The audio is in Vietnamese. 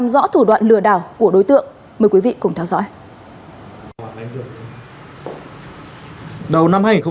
yêu cầu tôi chuyển